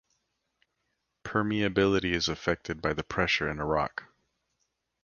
Permeability is affected by the pressure in a rock.